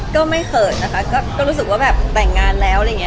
ก็ไม่เผินก็รู้ว่าแบบแต่งงานแล้วแล้วไง